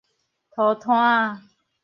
塗炭仔